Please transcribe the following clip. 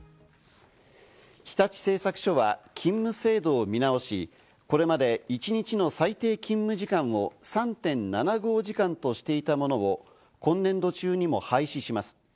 日立製作所は勤務制度を見直し、これまで一日の最低勤務時間を３．７５時間としていたものを今年度中にも廃止します。